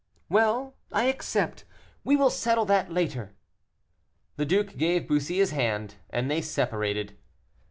"Well! I accept; we will settle that later." The duke gave Bussy his hand, and they separated.